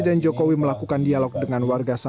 pembeli beli pegang gagal arissa